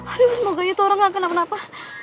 aduh semoga itu orang gak kenapa napa